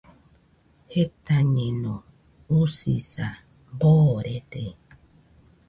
Jetañeno, usisa boorede.